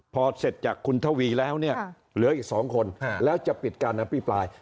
พอเสร็จจากคุณทวีแล้วเนี่ยเหลืออีก๒คนแล้วจะปิดการอภิปราย